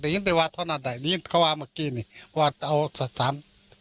หรือหรือไงว่าเมื่อกี๊เนี่ยว่าเอาสนาม